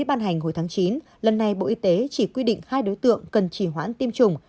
ban hành hồi tháng chín lần này bộ y tế chỉ quy định hai đối tượng cần chỉ hoãn tiêm chủng